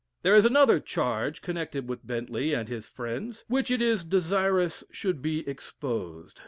There is another charge connected with Bentley and his friends, which it is desirous should be exposed.